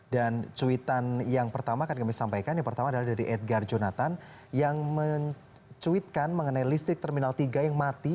dan cuitan yang pertama akan kami sampaikan yang pertama adalah dari edgar jonathan yang mencuitkan mengenai listrik terminal tiga yang mati